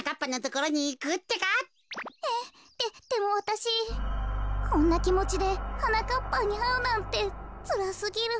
こころのこえこんなきもちではなかっぱんにあうなんてつらすぎる。